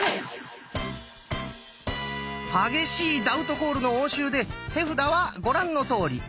激しいダウトコールの応酬で手札はご覧のとおり。